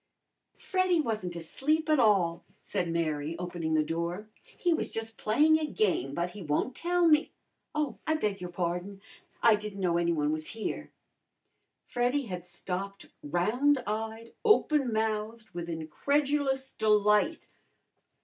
"Freddy wasn't asleep at all," said Mary, opening the door. "He was just playing a game, but he won't tell me Oh, I beg your pardon! I didn't know any one was here." Freddy had stopped round eyed, open mouthed with incredulous delight.